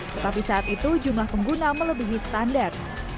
tetapi saat itu jumlah pengguna melebihi standar